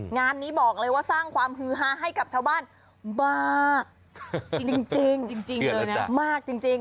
งานนี้บอกเลยว่าสร้างความฮือฮาให้กับชาวบ้านมากจริงจริงเลยนะมากจริง